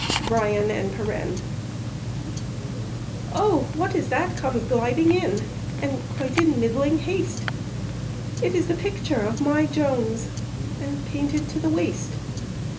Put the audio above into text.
BRYAN AND PERENNE. "Oh! what is that comes gliding in, And quite in middling haste? It is the picture of my Jones, And painted to the waist.